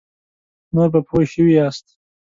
نور به پوه شوي یاست.